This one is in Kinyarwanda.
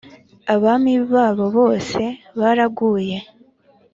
abami babo bose baraguye,